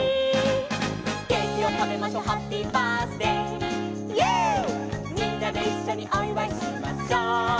「ケーキをたべましょハッピーバースデイ」「イエー」「みんなでいっしょにおいわいしましょう」